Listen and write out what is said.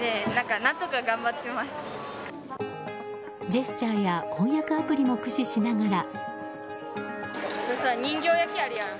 ジェスチャーや翻訳アプリも駆使しながら。